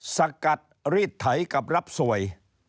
สกัดรีดไถกับรับสวย